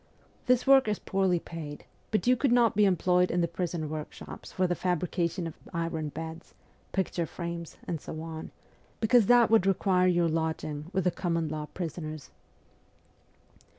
This work is poorly paid ; but you could not be employed in the prison workshops for the fabrication of iron beds, picture frames, and so on, because that would require your lodging with the common law prisoners.'